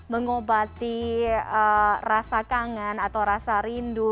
mengobati rasa kangen atau rasa rindu